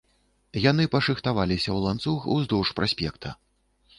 Яны пашыхтаваліся ў ланцуг уздоўж праспекта.